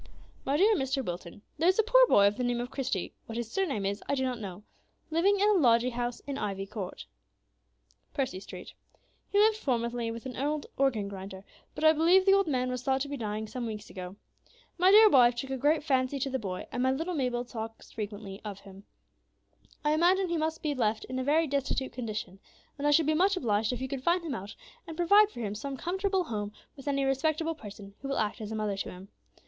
"MY DEAR MR. WILTON, There is a poor boy of the name of Christie (what his surname is I do not know) living in a lodging house in Ivy Court, Percy Street. He lived formerly with an old organ grinder, but I believe the old man was thought to be dying some weeks ago. My dear wife took a great fancy to the boy, and my little Mabel frequently talks of him. I imagine he must be left in a very destitute condition; and I should be much obliged if you could find him out and provide for him some comfortable home with any respectable person who will act as a mother to him.